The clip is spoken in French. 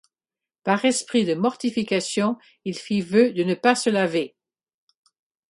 Par esprit de mortification, il fit vœu de ne pas se laver.